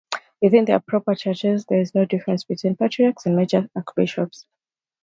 Within their proper churches there is no difference between patriarchs and major archbishops.